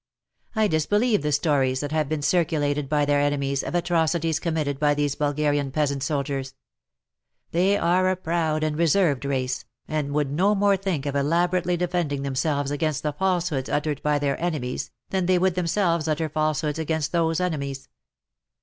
I disbelieve the stories that have been circulated by their enemies, of atrocities committed by these Bul garian peasant soldiers. They are a proud and reserved race, and would no more think of elaborately defending themselves against the falsehoods uttered by their enemies, than they would themselves utter falsehoods against those enemies.